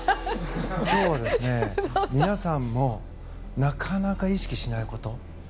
今日は皆さんもなかなか意識しないこと。